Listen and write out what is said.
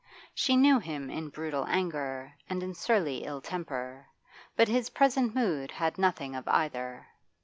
She knew him in brutal anger and in surly ill temper; but his present mood had nothing of either.